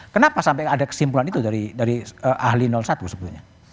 kenapa sampai ada kesimpulan itu dari ahli satu sebetulnya